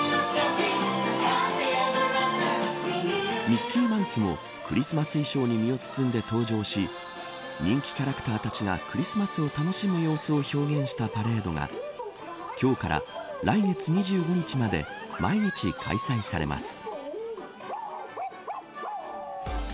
ミッキーマウスもクリスマス衣装に身を包んで登場し人気キャラクターたちがクリスマスを楽しむ様子を表現したパレードが今日から来月２５日まで毎日開催されます。